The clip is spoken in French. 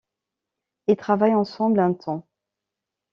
Ils travaillent ensemble un temps.